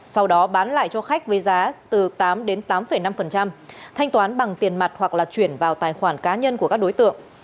sau đó bán lại cho khách với giá từ tám đến tám năm thanh toán bằng tiền mặt hoặc là chuyển vào tài khoản cá nhân của các đối tượng